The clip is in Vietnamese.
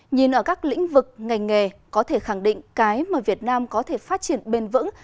nhìn ở các lĩnh vực ngành nghề có thể khẳng định cái mà việt nam có thể phát triển bền vững